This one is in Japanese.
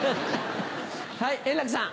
はい円楽さん。